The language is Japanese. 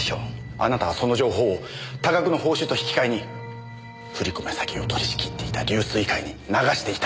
あなたはその情報を多額の報酬と引き替えに振り込め詐欺を取り仕切っていた龍翠会に流していた。